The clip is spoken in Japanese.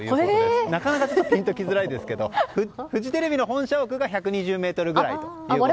なかなかピンときづらいですけどフジテレビの本社が１２０ｍぐらいと。